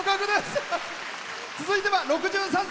続いては６３歳。